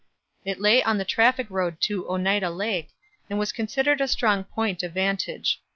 It lay on the traffic road to Oneida Lake, and was considered a strong point of vantage.